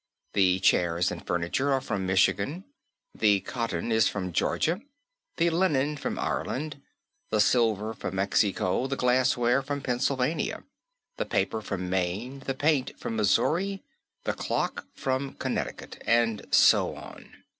The chairs and furniture are from Michigan; the cotton is from Georgia; the linen from Ireland; the silver from Mexico; the glassware from Pennsylvania; the paper from Maine; the paint from Missouri; the clock from Connecticut and so on."